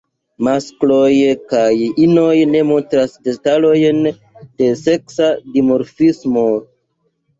Maskloj kaj inoj ne montras detalojn de seksa dimorfismo.